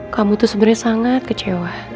kamu tuh sebenarnya sangat kecewa